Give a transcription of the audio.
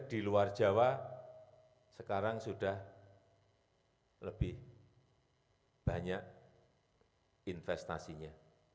di luar jawa sekarang sudah lebih banyak investasinya